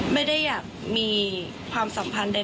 ไม่ได้อยากมีความสัมพันธ์ใด